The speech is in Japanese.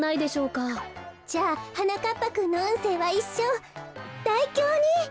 じゃあはなかっぱくんのうんせいはいっしょう大凶に。